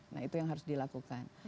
nah itu yang harus dilakukan